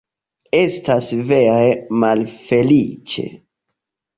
Estas vere malfeliĉe.